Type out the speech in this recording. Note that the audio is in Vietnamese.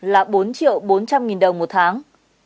là bốn triệu bốn trăm linh nghìn đồng một tháng